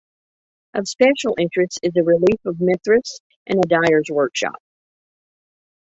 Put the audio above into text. Of special interest is a relief of Mithras and a dyer's workshop.